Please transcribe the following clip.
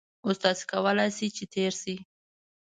اوس تاسو کولای شئ چې تېر شئ